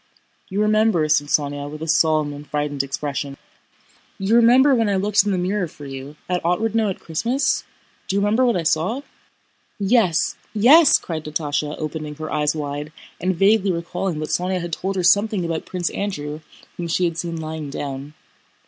"You remember," said Sónya with a solemn and frightened expression. "You remember when I looked in the mirror for you... at Otrádnoe at Christmas? Do you remember what I saw?" "Yes, yes!" cried Natásha opening her eyes wide, and vaguely recalling that Sónya had told her something about Prince Andrew whom she had seen lying down.